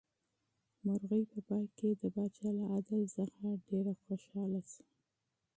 مرغۍ په پای کې د پاچا له عدل څخه ډېره خوشحاله شوه.